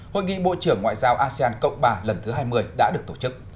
hội nghị bộ trưởng ngoại giao asean cộng ba lần thứ hai mươi đã được tổ chức